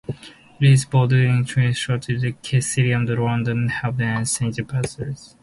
It bordered Islington, Shoreditch, the City of London, Holborn and Saint Pancras.